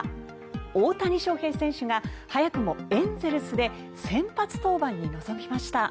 大谷翔平選手が早くもエンゼルスで先発登板に臨みました。